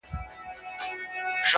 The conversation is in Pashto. نه مي مخي ته دېوال سي درېدلاى٫